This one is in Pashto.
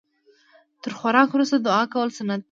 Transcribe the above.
تر خوراک وروسته دعا کول سنت ده